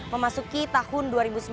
memasuki tahun dua ribu sembilan belas